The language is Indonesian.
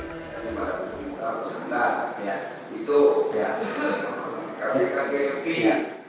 lima ratus juta per bulan itu tidak benar